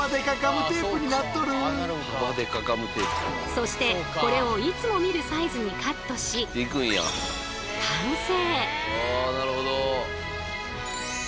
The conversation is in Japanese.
そしてこれをいつも見るサイズにカットし完成。